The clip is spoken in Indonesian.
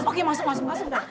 oke masuk masuk masuk